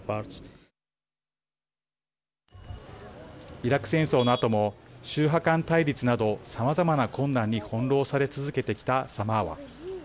イラク戦争のあとも宗派間対立などさまざまな困難に翻弄され続けてきたサマーワ。